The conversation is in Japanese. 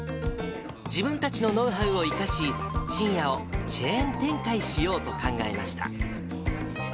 自分たちのノウハウを生かし、ちんやをチェーン展開しようと考えました。